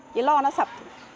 chứ lo nó sập